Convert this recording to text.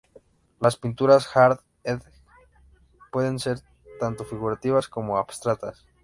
Las pinturas "hard edge "pueden ser tanto figurativas como abstractas.